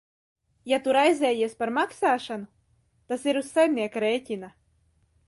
Ja tu raizējies par maksāšanu, tas ir uz saimnieka rēķina.